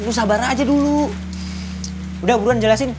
udah beruan jelasin